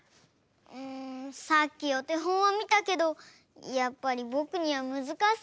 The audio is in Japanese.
んさっきおてほんをみたけどやっぱりぼくにはむずかしそうだよ。